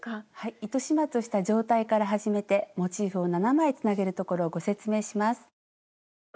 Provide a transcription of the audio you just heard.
糸始末をした状態から始めてモチーフを７枚つなげるところをご説明します。